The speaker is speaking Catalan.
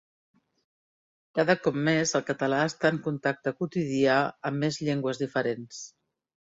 Cada cop més, el català està en contacte quotidià amb més llengües diferents.